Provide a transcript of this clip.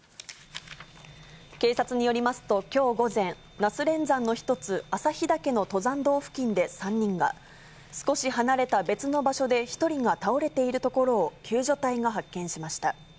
警察によりますときょう午前、那須連山の１つ、朝日岳の登山道付近で３人が、少し離れた別の場所で１人が倒れているところを救助隊が発見しました。